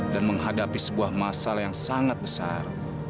dan menghadapi sebuah masalah yang sangat besar